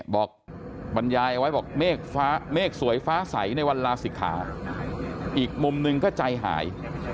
บอกบรรยายเอาไว้บอกเมฆสวยฟ้าใสในวันลาศิกขาอีกมุมหนึ่งก็ใจหาย